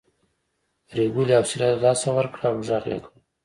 پريګلې حوصله له لاسه ورکړه او غږ یې کړ